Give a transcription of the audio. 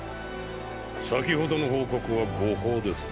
先ほどの報告は誤報です。